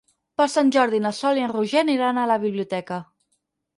Per Sant Jordi na Sol i en Roger aniran a la biblioteca.